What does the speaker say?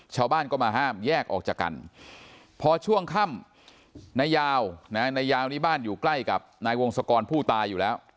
ชาวบ้านก็มาห้ามแยกออกจากกันพอช่วงค่ำนายาวนายยาวนี่บ้านอยู่ใกล้กับนายวงศกรผู้ตายอยู่แล้ว